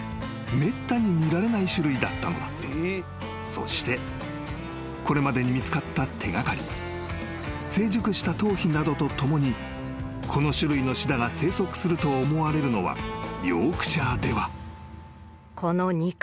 ［そしてこれまでに見つかった手掛かり成熟したトウヒなどと共にこの種類のシダが生息すると思われるのはヨークシャーでは］